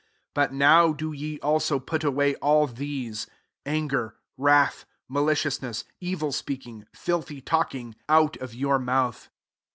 8 But now do ye also put away all these ; anger, wrath, malicious ness, evil speaking, iilthy talk ing, out of your mouth.